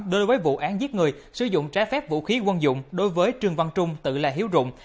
đối với vụ án giết người sử dụng trái phép vũ khí quân dụng đối với trương văn trung tự là hiếu rụng